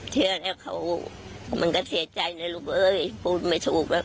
เชื่อแล้วเขามันก็เสียใจนะลูกเอ้ยพูดไม่ถูกแล้ว